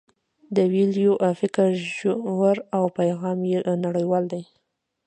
د کویلیو فکر ژور او پیغام یې نړیوال دی.